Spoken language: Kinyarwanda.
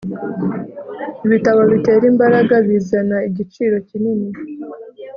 ibitabo bitera imbaraga bizana igiciro kinini